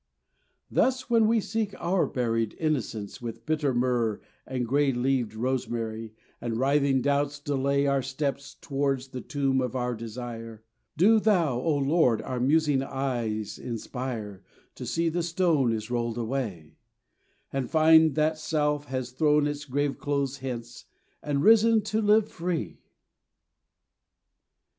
Thus when we seek our buried innocence With bitter myrrh and grey leaved rosemary, And writhing doubts delay Our steps towards the tomb of our desire, Do Thou, O Lord, our musing eyes inspire To see the stone is rolled away, And find that self has thrown its grave clothes hence And risen to live free.